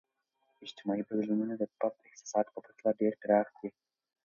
اجتماعي بدلونونه د فرد احساساتو په پرتله ډیر پراخ دي.